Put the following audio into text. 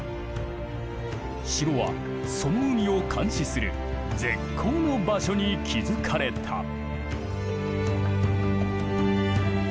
城はその海を監視する絶好の場所に築かれた。